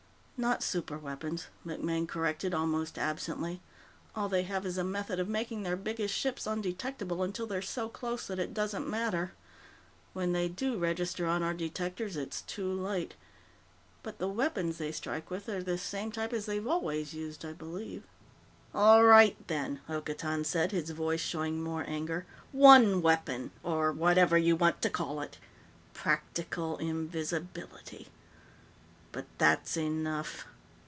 "Not 'superweapons'," MacMaine corrected almost absently. "All they have is a method of making their biggest ships indetectable until they're so close that it doesn't matter. When they do register on our detectors, it's too late. But the weapons they strike with are the same type as they've always used, I believe." "All right, then," Hokotan said, his voice showing more anger. "One weapon or whatever you want to call it. Practical invisibility. But that's enough.